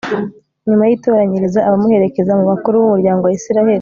nyuma yitoranyiriza abamuherekeza mu bakuru b'umuryango wa israheli